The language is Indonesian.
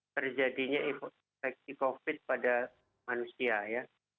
terjadinya infeksi covid pada manusia ya